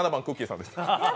さんでした。